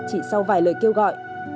chỉ sau vài lời kêu gọi